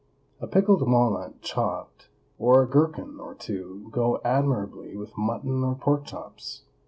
A pickled walnut chopped, or a gherkin or two, go admirably with mutton or pork chops.